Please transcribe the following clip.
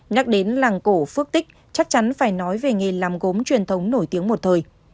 nhắc đến làng cổ phước tích chắc chắn phải nói về nghề làm gốm truyền thống nổi tiếng một thời